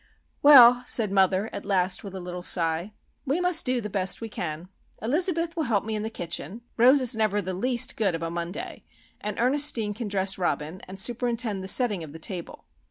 "Well," said mother, at last, with a little sigh, "we must do the best we can. Elizabeth will help me in the kitchen, Rose is never the least good of a Monday, and Ernestine can dress Robin and superintend the setting of the table.